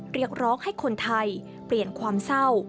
เรียกร้องให้คนไทยเปลี่ยนความเศร้า